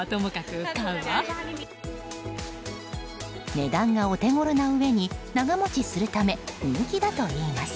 値段がお手ごろなうえに長持ちするため人気だといいます。